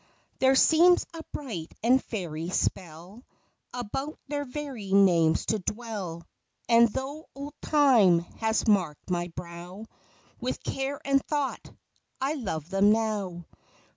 There seems a bright and fairy spell About their very names to dwell; And though old Time has marked my brow With care and thought, I love them now.